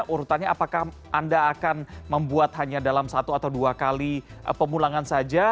urutannya apakah anda akan membuat hanya dalam satu atau dua kali pemulangan saja